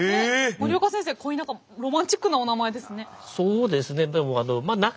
森岡先生恋中ロマンチックなお名前ですね。